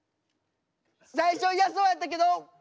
最初嫌そうやったけど。